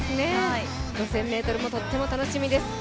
５０００ｍもとっても楽しみです